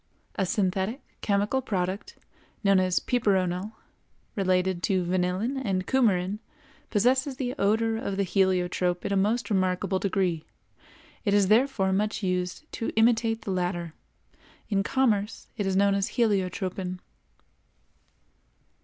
A synthetic, chemical product, known as piperonal, related to vanillin and cumarin, possesses the odor of the heliotrope in a most remarkable degree. It is therefore much used to imitate the latter. In commerce it is known as heliotropin.